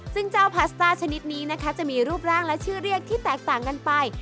ซึ่งเจ้าพาสต้าชนิดนี้นะคะจะมีรูปร่างและชื่อเรียกที่แตกต่างกันไป